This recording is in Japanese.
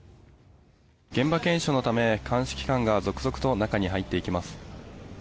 現場検証のため、鑑識官が続々と中に入っていきます。